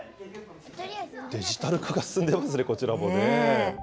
デジタル化が進んでますね、こちらもね。